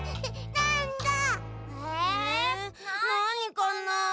なにかな？